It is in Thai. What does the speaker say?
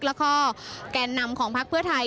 และแกนนำของภัครัวไทย